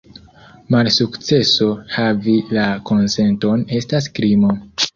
Malsukceso havi la konsenton estas krimo.